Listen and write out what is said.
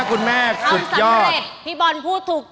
คำตอบที่ถูกต้องคือ